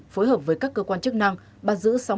phối hợp với các cơ quan chức năng bắt giữ